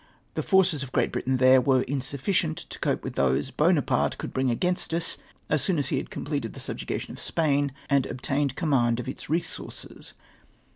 The forces of Great Britain there were insufficient to cope with those Buonaparte could Lring against us as soon as he had completed the sulyugation of Spain and obtained command of its resources.